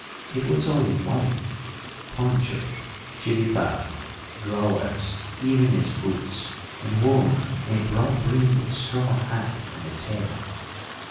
It was all in white poncho, chiripà, drawers, even its boots, and wore a broad brimmed straw hat on its head.